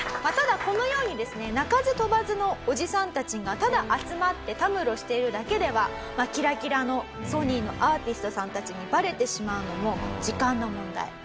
ただこのようにですね鳴かず飛ばずのおじさんたちがただ集まってたむろしているだけではキラキラのソニーのアーティストさんたちにバレてしまうのも時間の問題。